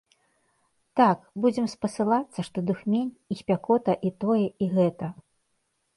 Так, будзем спасылацца, што духмень, і спякота, і тое, і гэта.